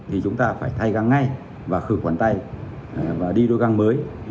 thì chúng ta phải thay găng ngay và khử khuẩn tay và đi đôi găng mới